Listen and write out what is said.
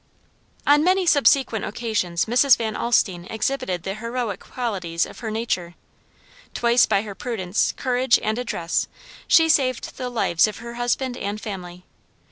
On many subsequent occasions Mrs. Van Alstine exhibited the heroic qualities of her nature. Twice by her prudence, courage, and address, she saved the lives of her husband and family.